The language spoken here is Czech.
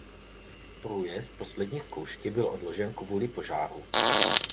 Průjezd poslední zkoušky byl odložen kvůli požáru.